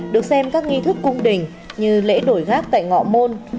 được xem các nghi thức cung đình như lễ đổi gác tại ngọ môn